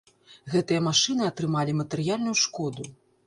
Гэтыя машыны атрымалі матэрыяльную шкоду.